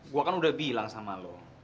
gue kan udah bilang sama lo